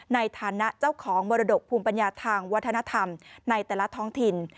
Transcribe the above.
ในฐานะเจ้าของมรดกภูมิปัญญาทางวัฒนธรรมในแต่ละท้องถิ่น